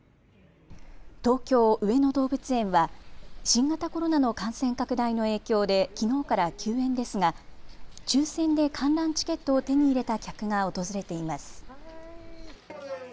東京上野動物園は新型コロナの感染拡大の影響できのうから休園ですが抽せんで観覧チケットを手に入れた客が訪れています。